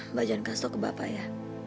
mbak jangan kasih tau ke bapak ya